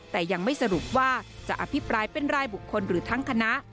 แต่ยังไม่สรุปว่าจะอภิปรายเป็นรายบุคคลหรือทั้งคณะ